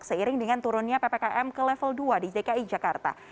seiring dengan turunnya ppkm ke level dua di dki jakarta